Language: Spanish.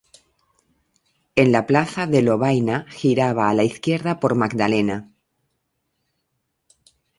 En la Plaza de Lovaina, giraba a la izquierda por Magdalena.